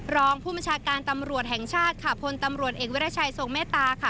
รองผู้บัญชาการตำรวจแห่งชาติค่ะพลตำรวจเอกวิรัชัยทรงเมตตาค่ะ